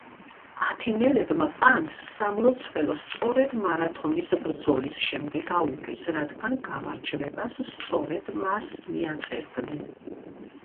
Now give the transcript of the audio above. ათენელებმა პანს სამლოცველო სწორედ მარათონის ბრძოლის შემდეგ აუგეს, რადგან გამარჯვებას სწორედ მას მიაწერდნენ.